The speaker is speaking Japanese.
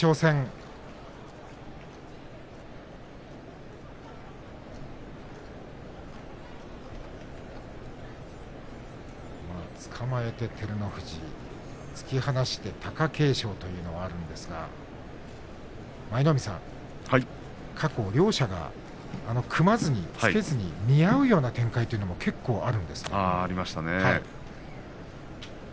照ノ富士が勝たなければいけないという結び、貴景勝戦つかまえて照ノ富士を突き放して貴景勝というのはあるんですが舞の海さん、過去両者が組まずに見合うような展開というのも結構あるんですね。